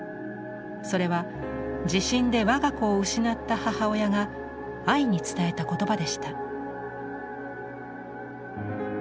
それは地震で我が子を失った母親がアイに伝えた言葉でした。